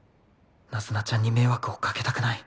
ナズナちゃんに迷惑を掛けたくない